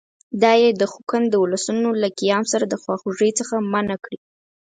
دا یې د خوقند د اولسونو له قیام سره د خواخوږۍ څخه منع کړي.